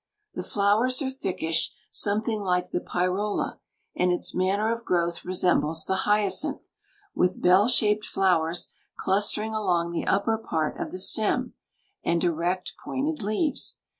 The flowers are thickish, something like the pyrola, and its manner of growth resembles the hyacinth, with bell shaped flowers clustering along the upper part of the stem, and erect, pointed leaves.